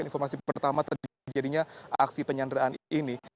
dan informasi pertama terdiri dari aksi penyanderaan ini